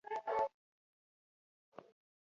عبدالرحمن خان په شان قدرت نه وو.